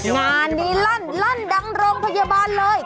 งานนี้ลั่นลั่นดังโรงพยาบาลเลย